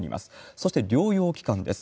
そして療養期間です。